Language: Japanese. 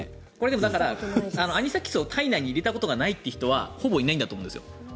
でもだから、アニサキスを体内に入れたことがない人はほぼいないんだと思います。